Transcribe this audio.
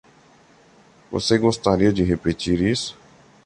Você gostaria de repetir isso?